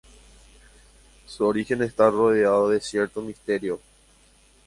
Su origen está rodeado de cierto misterio.